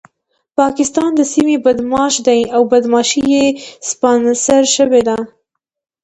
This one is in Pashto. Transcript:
پاکستان د سيمې بدمعاش دی او بدمعاشي يې سپانسر شوې ده.